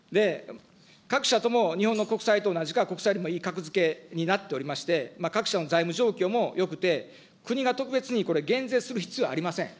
各社とも日本の国債と同じか国債よりもいい格付けになっておりまして、各社の財務状況もよくて、国が特別にこれ、減税する必要ありません。